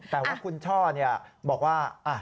แต่ว่าคุณช่อบอกว่า